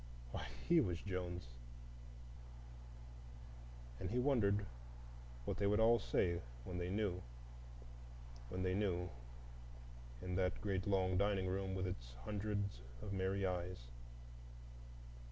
Why, he was Jones, and he wondered what they would all say when they knew, when they knew, in that great long dining room with its hundreds of merry eyes.